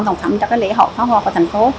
thông thẩm cho cái lễ hội pháo hoa của thành phố